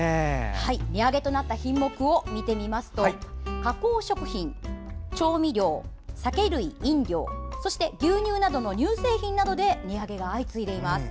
値上げとなった品目を見てみますと加工食品、調味料、酒類・飲料そして牛乳などの乳製品などで値上げが相次いでいます。